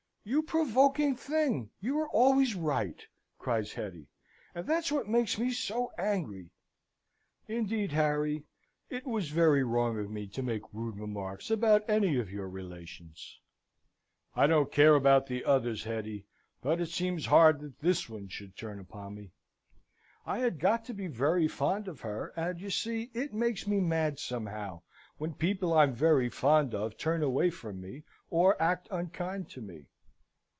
"You provoking thing; you are always right!" cries Hetty, "and that's what makes me so angry. Indeed, Harry, it was very wrong of me to make rude remarks about any of your relations." "I don't care about the others, Hetty; but it seems hard that this one should turn upon me. I had got to be very fond of her; and you see, it makes me mad, somehow, when people I'm very fond of turn away from me, or act unkind to me."